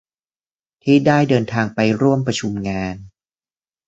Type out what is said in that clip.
ที่ได้เดินทางไปร่วมประชุมงาน